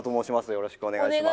よろしくお願いします。